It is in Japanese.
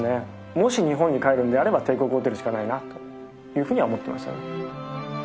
もし日本に帰るんであれば帝国ホテルしかないなというふうには思ってましたね。